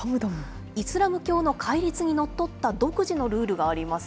イスラム教の戒律にのっとった独自のルールがあります。